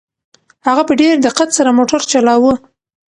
هغه په ډېر دقت سره موټر چلاوه.